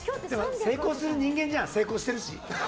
成功する人間じゃん成功しているし。